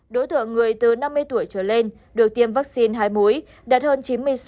đối tượng người từ năm mươi tuổi trở lên được tiêm vaccine hai muối đạt hơn chín mươi sáu